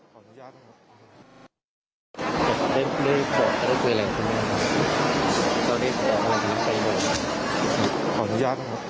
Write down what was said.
ขออนุญาตหน่อย